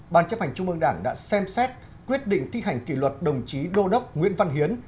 ban chấp hành trung mương đảng đã xem xét quyết định thi hành kỷ luật đồng chí đô đốc nguyễn văn hiến